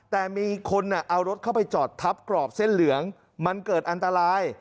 แต่มีคนเอารถเข้าไปจอดทับกรอบเส้นเหลืองมันเกิดอันตราย